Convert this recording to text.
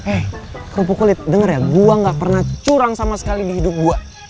eh rumput kulit denger ya gua nggak pernah curang sama sekali di hidup gua